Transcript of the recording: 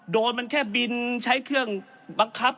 โดนมันแค่บินใช้เครื่องบังคับ